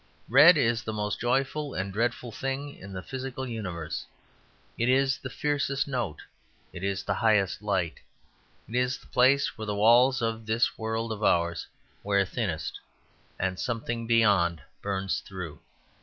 Red is the most joyful and dreadful thing in the physical universe; it is the fiercest note, it is the highest light, it is the place where the walls of this world of ours wear thinnest and something beyond burns through.